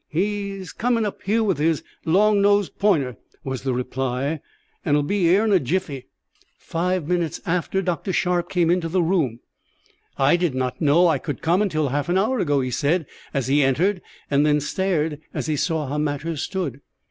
"He's comin' up here with his long nosed pointer," was the reply, "and 'll be 'ere in a jiffy." Five minutes after, Dr. Sharp came into the room. "I did not know I could come until half an hour ago," he said as he entered, and then stared as he saw how matters stood.